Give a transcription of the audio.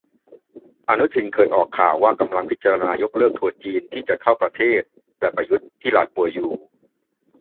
อนุทินเคยออกข่าวว่ากำลังพิจารณายกเลิกทัวร์จีนที่จะเข้าประเทศ แต่ประยุทธ์ ที่ลาป่วยอยู่